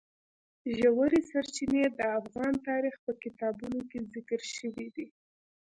ژورې سرچینې د افغان تاریخ په کتابونو کې ذکر شوی دي.